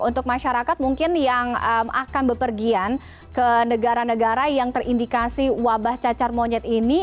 untuk masyarakat mungkin yang akan bepergian ke negara negara yang terindikasi wabah cacar monyet ini